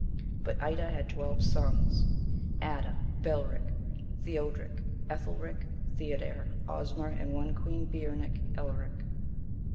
But Ida had twelve sons, Adda, Belric, Theodric, Ethelric, Theodhere, Osmer, and one queen, Bearnoch, Ealric.